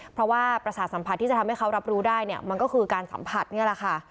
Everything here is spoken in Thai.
เพราะว่าประสาทสัมผัสที่จะทำให้เขารับรู้ได้เนี่ยมันก็คือการสัมผัสนี่แหละค่ะ